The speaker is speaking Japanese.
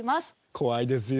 怖いですよ。